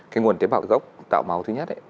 cái nguồn tế bào gốc tạo máu thứ nhất ấy